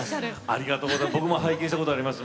ありがとうございます。